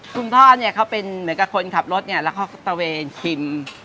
คุณพ่อเนี่ยเขาเป็นเหมือนกับคนขับรถเนี่ยแล้วเขาตะเวนกินอาหารไปทั่วประเทศ